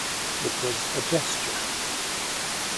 It was a gesture.